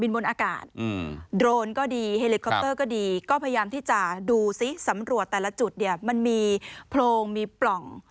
มีโพรงมีปล่อง